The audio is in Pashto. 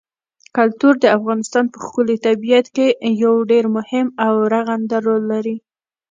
کلتور د افغانستان په ښکلي طبیعت کې یو ډېر مهم او رغنده رول لري.